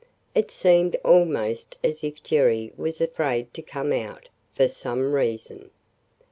It seemed almost as if Jerry was afraid to come out, for some reason.